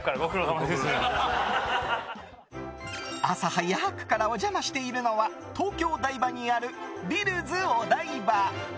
朝早くからお邪魔しているのは東京・台場にあるｂｉｌｌｓお台場。